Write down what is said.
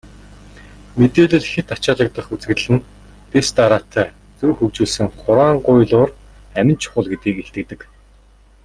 Мэдээлэл хэт ачаалагдах үзэгдэл нь дэс дараатай, зөв хөгжүүлсэн хураангуйлуур амин чухал гэдгийг илтгэдэг.